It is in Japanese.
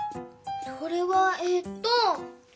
それはええっと。